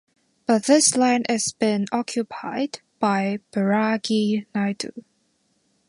But this land is been occupied by Bairagi Naidu.